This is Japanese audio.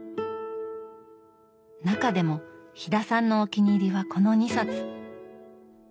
中でも飛田さんのお気に入りはこの２冊。